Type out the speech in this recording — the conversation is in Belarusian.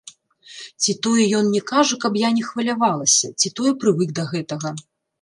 Ці тое ён не кажа, каб я не хвалявалася, ці тое прывык да гэтага.